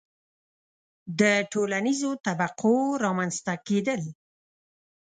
• د ټولنیزو طبقو رامنځته کېدل.